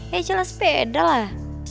ya jelas beda lah